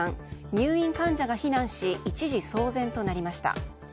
入院患者が避難し一時騒然となりました。